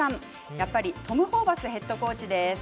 やっぱりトム・ホーバスヘッドコーチです。